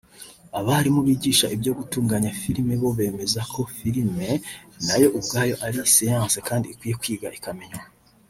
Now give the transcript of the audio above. Abarimu bigisha ibyo gutunganya filime bo bemeza ko filime nayo ubwayo ari siyanse kandi ikwiye kwiga ikamenywa